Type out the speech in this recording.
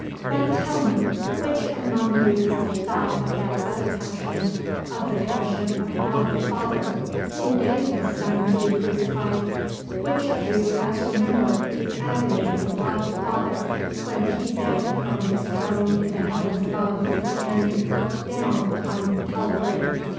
"But tell me, which among you has thought of that other Passion of the Passion of God the Father, Who gave His Son to be crucified? Which of you has remembered the agony of God the Father, when He bent from His throne in the heavens above, and looked down upon Calvary?